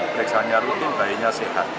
pereksaannya rutin bayinya sehat